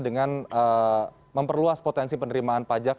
dengan memperluas potensi penerimaan pajak